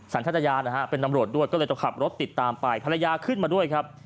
สรรค์ทางยาศ์นะฮะเป็นตำรวจด้วยก็เลยจะคลับรถติดตามไปภรรยาฉันมาด้วยครับ